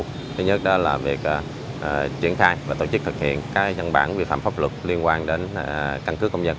thứ nhất đó là việc triển khai và tổ chức thực hiện các dân bản vi phạm pháp luật liên quan đến căn cước công dân